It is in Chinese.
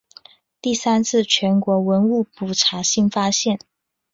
第三次全国文物普查新发现。